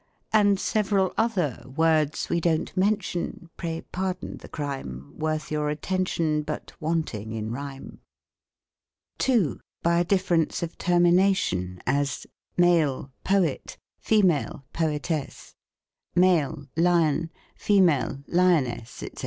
And several other Words we don't mention, (Pray pardon the crime,) ^ Worth your attention. But wanting in rhyme. ETYMOLOGY. 38 2. By a difTerence of termination ; as, MALE, FEMALE. Poet Poetess. Lion Lioness, &c.